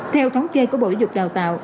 theo thống kê của bộ dục đào tạo